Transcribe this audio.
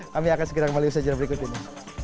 kami akan sekiranya kembali usaha jendela berikut ini